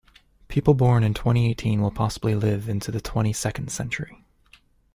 People born in twenty-eighteen will possibly live into the twenty-second century.